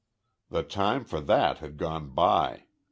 The time for that had gone by.